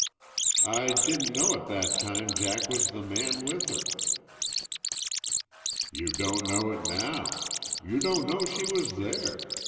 "I didn't know at that time Jack was the man with her." "You don't know it now. You don't know she was there.